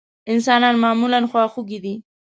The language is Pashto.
انسانان معمولا خواخوږي دي.